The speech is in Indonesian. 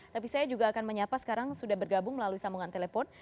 tapi saya juga akan menyapa sekarang sudah bergabung melalui sambungan telepon